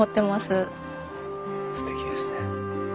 すてきですね。